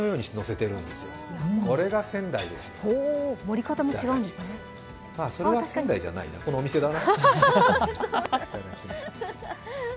いただきます、それは仙台じゃないな、このお店だな。